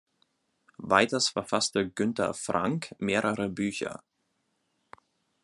Weiters verfasste Günther Frank mehrere Bücher.